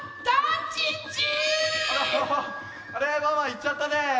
あれっワンワンいっちゃったね。